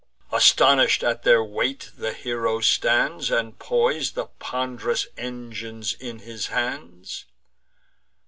Astonish'd at their weight, the hero stands, And pois'd the pond'rous engines in his hands.